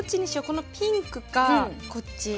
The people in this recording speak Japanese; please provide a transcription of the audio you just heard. このピンクかこっち。